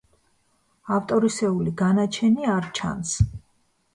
ავტორისეული განაჩენი არ ჩანს.